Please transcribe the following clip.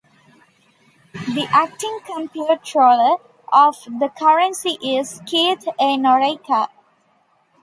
The Acting Comptroller of the Currency is Keith A. Noreika.